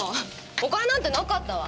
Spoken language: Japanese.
お金なんてなかったわ。